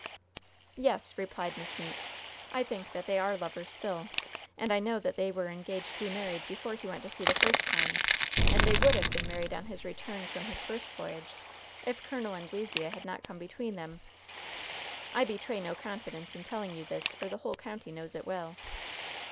"Yes," replied Miss Meeke. "I think that they are lovers still. And I know that they were engaged to be married before he went to sea the first time, and they would have been married on his return from his first voyage if Col. Anglesea had not come between them. I betray no confidence in telling you this, for the whole county knows it well."